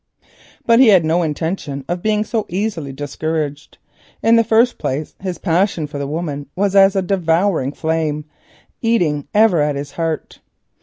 But he had no intention of being so easily discouraged. In the first place his passion for the woman was as a devouring flame, eating ever at his heart.